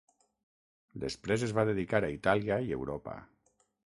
Després es va dedicar a Itàlia i Europa.